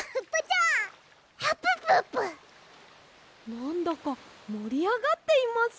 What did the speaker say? なんだかもりあがっています。